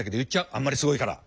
あんまりすごいから！